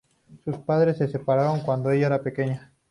Sus padres se separaron cuando ella era pequeña.